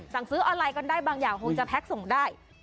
สั่งซื้ออะไรกันได้บางอย่างคงจะแพ็คส่งได้